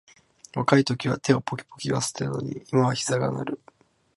若いときは手をポキポキいわせていたのに、今はひざが鳴る